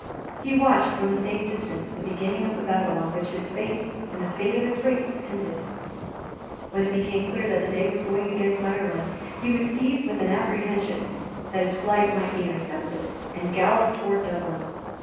He watched, from a safe distance, the beginning of the battle on which his fate and the fate of his race depended. When it became clear that the day was going against Ireland, he was seized with an apprehension that his flight might be intercepted, and galloped towards Dublin.